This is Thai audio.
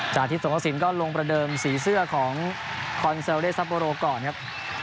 จากทิพย์ส่งสังกสินก็ลงประเดิมสีเสื้อของคอนเซลเลสซาโปโรก่อนครับ